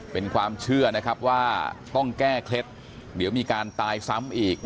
เป็นความเชื่อนะครับว่าต้องแก้เคล็ดเดี๋ยวมีการตายซ้ำอีก